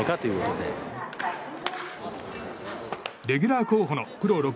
レギュラー候補のプロ